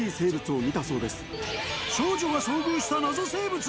少女が遭遇した謎生物？